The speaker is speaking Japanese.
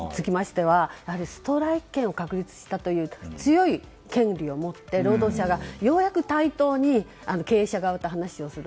ただ、今回の件につきましてはやはりストライキ権を確立したという強い権利を持って労働者が、ようやく対等に経営者側と話をする。